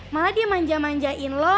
malah dia manja manjain loh